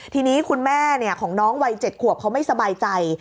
ทีนี้คุณแม่ของน้องวัย๗ขวบเขาไม่สบายใจ